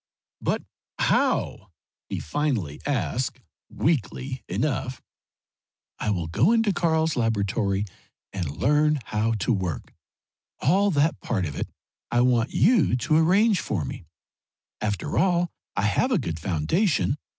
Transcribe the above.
"But how?" he finally asked, weakly enough. "I will go into Karl's laboratory and learn how to work all that part of it I want you to arrange for me. After all, I have a good foundation.